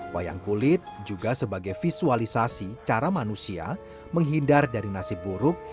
wayang kulit juga sebagai visualisasi cara manusia menghindar dari nasib buruk